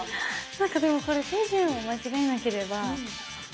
何かでもこれ手順を間違えなければいけますね。